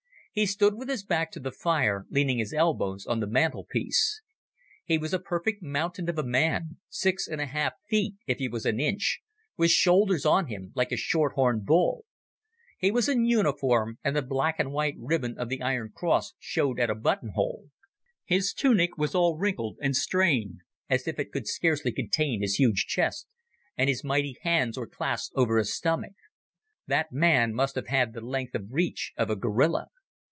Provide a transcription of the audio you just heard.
He stood with his back to the fire leaning his elbows on the mantelpiece. He was a perfect mountain of a fellow, six and a half feet if he was an inch, with shoulders on him like a shorthorn bull. He was in uniform and the black and white ribbon of the Iron Cross showed at a buttonhole. His tunic was all wrinkled and strained as if it could scarcely contain his huge chest, and mighty hands were clasped over his stomach. That man must have had the length of reach of a gorilla.